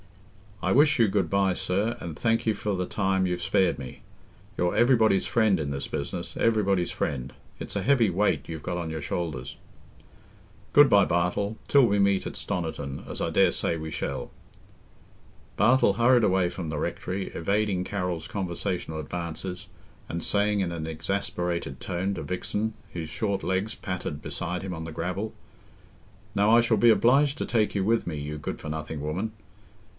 I wish you good bye, sir, and thank you for the time you've spared me. You're everybody's friend in this business—everybody's friend. It's a heavy weight you've got on your shoulders." "Good bye, Bartle, till we meet at Stoniton, as I daresay we shall." Bartle hurried away from the rectory, evading Carroll's conversational advances, and saying in an exasperated tone to Vixen, whose short legs pattered beside him on the gravel, "Now, I shall be obliged to take you with me, you good for nothing woman.